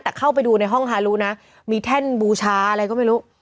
แต่เข้าไปดูในห้องฮารุนะมีแท่นบูชาอะไรก็ไม่รู้